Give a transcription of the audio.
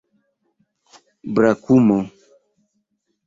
brakumo